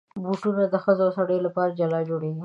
بوټونه د ښځو او سړیو لپاره جلا جوړېږي.